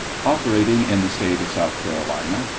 Operating in the State of South Carolina